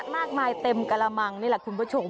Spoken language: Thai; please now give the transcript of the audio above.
มากมายเต็มกระมังนี่แหละคุณผู้ชม